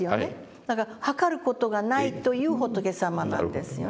だから測る事がないという仏様なんですよね。